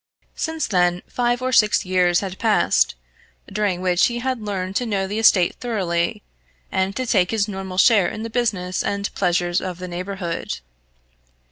Since then five or six years had passed, during which he had learned to know the estate thoroughly, and to take his normal share in the business and pleasures of the neighbourhood.